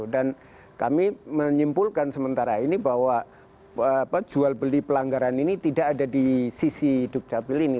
dan kami menyimpulkan sementara ini bahwa jual beli pelanggaran ini tidak ada di sisi dukcapil ini